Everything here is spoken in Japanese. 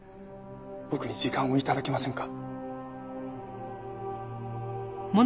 僕に時間を頂けませんか？